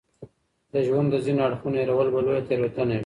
د ژوند د ځينو اړخونو هېرول به لويه تېروتنه وي.